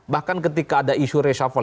bahkan ketika ada isu reshuffle